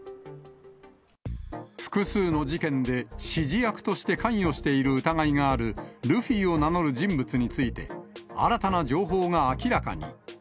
複数の事件で、指示役として関与している疑いがある、ルフィを名乗る人物について、新たな情報が明らかに。